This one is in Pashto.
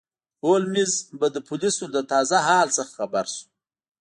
هولمز به د پولیسو له تازه حال څخه خبر شو.